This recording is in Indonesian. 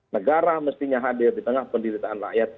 negara mestinya hadir di tengah pendirian rakyat